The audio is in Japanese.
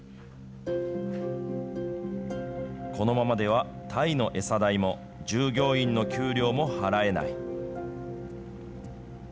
このままではタイの餌代も従業員の給料も払えない。